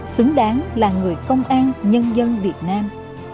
xứng đáng là người công an nhân dân việt nam